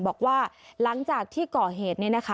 บอกว่าหลังจากที่เกาะเหตุ